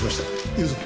行くぞ。